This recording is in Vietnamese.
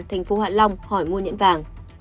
tp hạ long hỏi mua nhẫn vàng